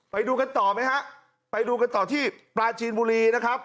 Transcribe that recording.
ไปดูกันต่อไหมฮะไปดูกันต่อที่ปลาจีนบุรีนะครับ